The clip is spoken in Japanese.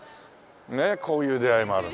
ねえこういう出会いもある。